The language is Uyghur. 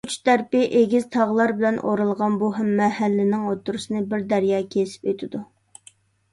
ئۈچ تەرىپى ئېگىز تاغلار بىلەن ئورالغان بۇ مەھەللىنىڭ ئوتتۇرىسىنى بىر دەريا كېسىپ ئۆتىدۇ.